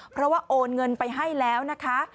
เพราะว่าโอนเงินไปให้แล้วนะคะ